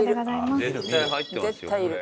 絶対入ってますよこれ。